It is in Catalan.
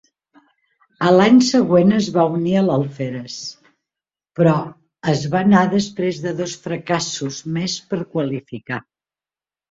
A l'any següent es va unir a l'alferes, però es va anar després de dos fracassos més per qualificar.